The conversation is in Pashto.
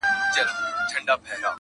ستونی د شپېلۍ به نغمه نه لري،